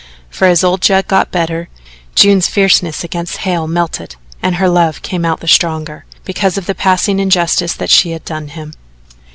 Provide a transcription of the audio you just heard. For as old Judd got better, June's fierceness against Hale melted and her love came out the stronger, because of the passing injustice that she had done him.